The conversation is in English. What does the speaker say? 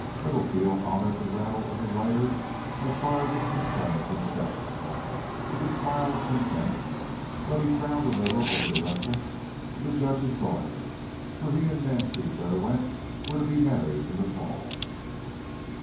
Littlefield honoured the rattle of the writer, as far as it concerned himself, with a smile of contempt; but he frowned a little over the reference to the Judge's daughter, for he and Nancy Derwent were to be married in the fall.